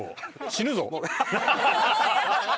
死ぬぞ。